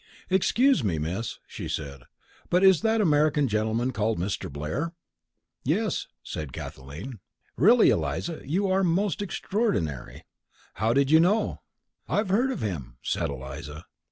"Excuse me, Miss," she said, "but is that American gentleman called Mr. Blair?" "Yes," said Kathleen. "Really, Eliza, you are most extraordinary. How did you know?" "I've heard of him," said Eliza.